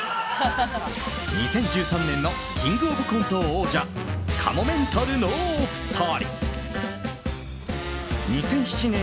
２０１３年の「キングオブコント」王者かもめんたるのお二人。